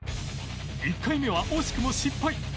１回目は惜しくも失敗